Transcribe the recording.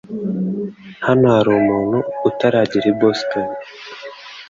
Hano hari umuntu utaragera i Boston